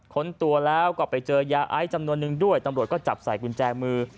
ค้นตัวแล้วก็ไปเจอยาไอซ์จำนวนนึงด้วยตำรวจก็จับใส่กุญแจมือ